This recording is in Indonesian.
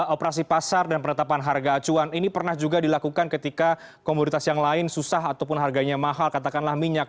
operasi pasar dan penetapan harga acuan ini pernah juga dilakukan ketika komoditas yang lain susah ataupun harganya mahal katakanlah minyak